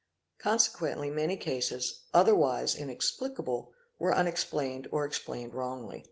Consequently many cases, | otherwise inexplicable, were unexplained or explained wrongly.